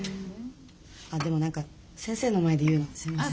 あっでも何か先生の前で言うのすみません。